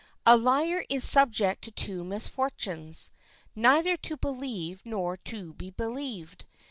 A liar is subject to two misfortunes, neither to believe nor to be believed.